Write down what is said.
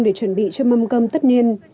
để chuẩn bị cho mâm cơm tất niên